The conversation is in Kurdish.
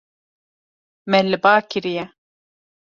Me li ba kiriye.